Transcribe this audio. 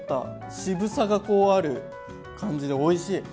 渋さがこうある感じでおいしい！